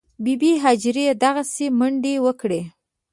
بي بي هاجرې دغسې منډې وکړې.